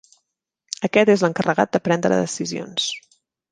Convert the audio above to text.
Aquest és l'encarregat de prendre decisions.